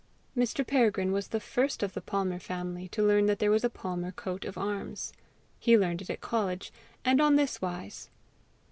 Mr. Peregrine was the first of the Palmer family to learn that there was a Palmer coat of arms. He learned it at college, and on this wise.